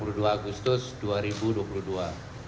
pesawat ini juga melakukan simulasi sebagai pesawat musuh